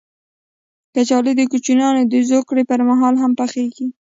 کچالو د کوچنیانو د زوکړې پر مهال هم پخېږي